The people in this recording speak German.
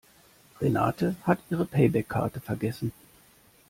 Renate hat ihre Payback-Karte vergessen.